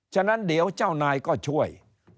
ฉะนั้นเดี๋ยวเจ้านายก็ช่วย